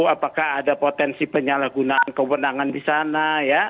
apakah ada potensi penyalahgunaan kewenangan di sana ya